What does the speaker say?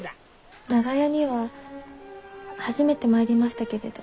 長屋には初めて参りましたけれど。